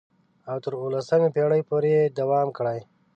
او تر اوولسمې پېړۍ پورې یې دوام کړی.